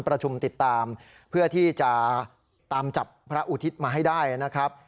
ประชุมติดตามเพื่อที่จะตามจับพระอุทิศมาให้ได้นะครับ